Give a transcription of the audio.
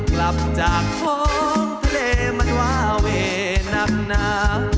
กลับจากท้องทะเลมันวาเวหนักหนา